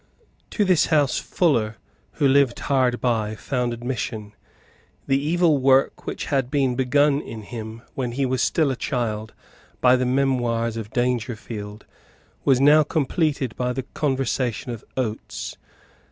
To this house Fuller, who lived hard by, found admission. The evil work which had been begun in him, when he was still a child, by the memoirs of Dangerfield, was now completed by the conversation of Oates.